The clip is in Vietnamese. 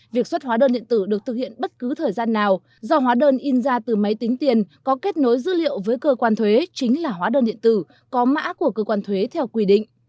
việc xuất hóa đơn điện tử được thực hiện bất cứ thời gian nào do hóa đơn in ra từ máy tính tiền có kết nối dữ liệu với cơ quan thuế chính là hóa đơn điện tử có mã của cơ quan thuế theo quy định